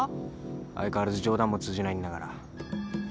相変わらず冗談も通じないんだから。